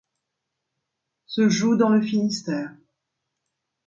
Se joue dans le Finistère.